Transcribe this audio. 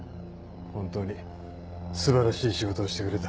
本当に素晴らしい仕事をしてくれた。